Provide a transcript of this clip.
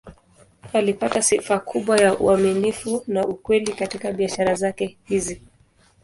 Alipata sifa kubwa ya uaminifu na ukweli katika biashara zake hizi.